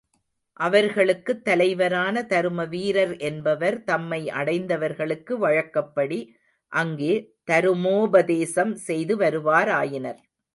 அவர்களுக்குத் தலைவரான தருமவீரர் என்பவர் தம்மை அடைந்தவர்களுக்கு வழக்கப்படி அங்கே தருமோபதேசம் செய்து வருவாராயினர்.